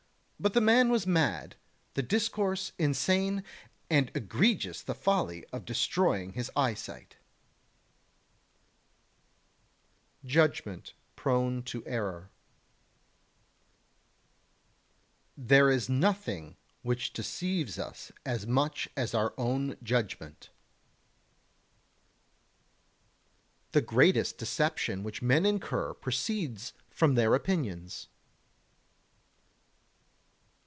But the man was mad, the discourse insane, and egregious the folly of destroying his eye sight. [Sidenote: Judgement prone to Error] 38. There is nothing which deceives us as much as our own judgement. 39. The greatest deception which men incur proceeds from their opinions.